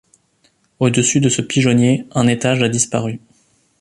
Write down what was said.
Au-dessus de ce pigeonnier, un étage a disparu.